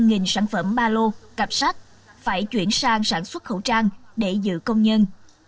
nghìn sản phẩm ba lô cặp sách phải chuyển sang sản xuất khẩu trang để giữ công nhân